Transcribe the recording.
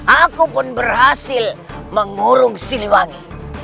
aku pun berhasil mengurung siliwangi